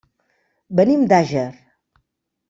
Venim d'Àger.